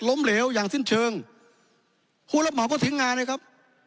เหลวอย่างสิ้นเชิงผู้รับเหมาก็ทิ้งงานนะครับ